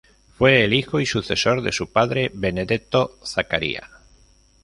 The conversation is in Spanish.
Fue el hijo y sucesor de su padre Benedetto I Zaccaria.